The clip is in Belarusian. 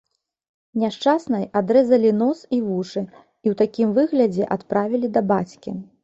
Няшчаснай адрэзалі нос і вушы, і ў такім выглядзе адправілі да бацькі.